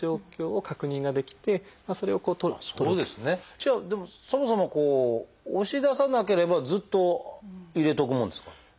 じゃあでもそもそもこう押し出さなければずっと入れておくもんですか？